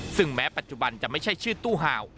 ซึ่งแม้ปัจจุบันจะไม่ใช่ชื่อตู้ห่าว